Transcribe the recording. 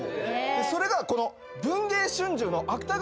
それがこの。